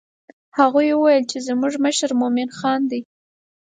هغوی وویل چې زموږ مشر مومن خان دی.